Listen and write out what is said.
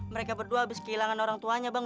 mereka berdua habis kehilangan orang tuanya bang